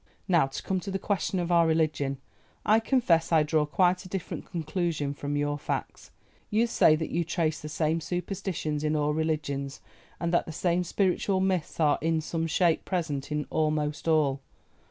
"Now to come to the question of our religion. I confess I draw quite a different conclusion from your facts. You say that you trace the same superstitions in all religions, and that the same spiritual myths are in some shape present in almost all.